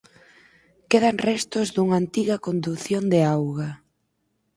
Quedan restos dunha antiga condución de auga.